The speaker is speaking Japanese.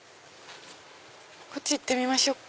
こっち行ってみましょうか。